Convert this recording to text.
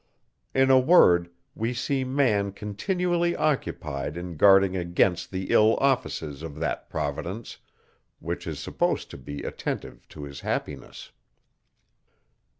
In a word, we see man continually occupied in guarding against the ill offices of that Providence, which is supposed to be attentive to his happiness.